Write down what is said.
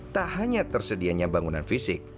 tak hanya tersedianya bangunan fisik